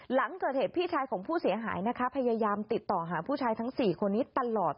หลังเกิดเหตุพี่ชายของผู้เสียหายนะคะพยายามติดต่อหาผู้ชายทั้ง๔คนนี้ตลอด